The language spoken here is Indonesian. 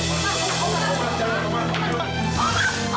oma jangan oma oma